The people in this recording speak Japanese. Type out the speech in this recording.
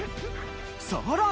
さらに。